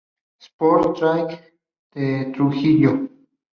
Sport Tigre de Trujillo.